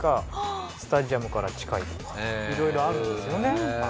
スタジアムから近いとか色々あるんですよね。